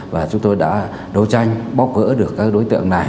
và chúng tôi đã đấu tranh bóc gỡ được các đối tượng này